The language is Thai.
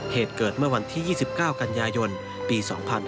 เหตุเกิดเมื่อวันที่๒๙กันยายนปี๒๕๕๙